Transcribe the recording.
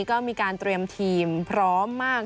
ก็มีการเตรียมทีมพร้อมมาก